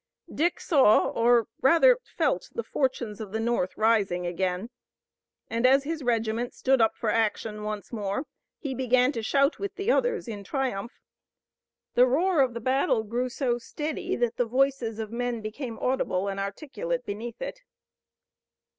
Dick saw or rather felt the fortunes of the North rising again, and as his regiment stood up for action once more he began to shout with the others in triumph. The roar of the battle grew so steady that the voices of men became audible and articulate beneath it.